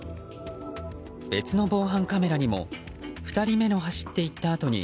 別の防犯カメラにも２人目が走って行ったあとに